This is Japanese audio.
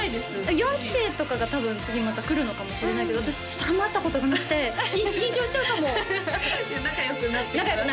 ４期生とかが多分次また来るのかもしれないけど私あんま会ったことがなくて緊張しちゃうかも仲良くなってください